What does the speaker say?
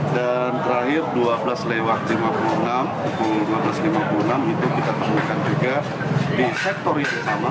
dan terakhir dua belas lima puluh enam pukul dua belas lima puluh enam itu kita temukan juga di sektor yang sama